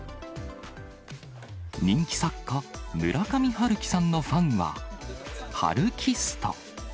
人気作家、村上春樹さんのファンはハルキスト。